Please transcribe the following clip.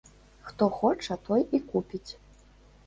Хто хоча, той і купіць.